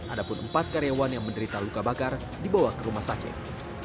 ada pun empat karyawan yang menderita luka bakar dibawa ke rumah sakit